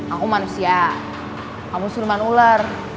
aku manusia kamu surman ular